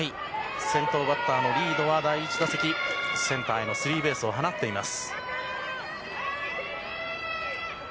先頭バッターのリードは第１打席でセンターへのスリーベースを放っています。